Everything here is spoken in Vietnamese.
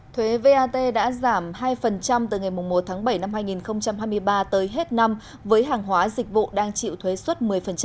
thuế vat đã giảm hai từ ngày một tháng bảy năm hai nghìn hai mươi ba tới hết năm với hàng hóa dịch vụ đang chịu thuế xuất một mươi